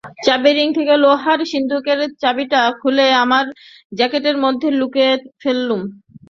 চাবির রিং থেকে লোহার সিন্দুকের চাবিটা খুলে আমার জ্যাকেটের মধ্যে লুকিয়ে ফেললুম।